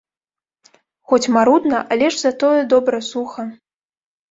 Хоць марудна, але ж за тое добра, суха.